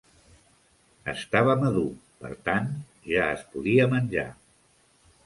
Estava madur, per tant, ja es podia menjar.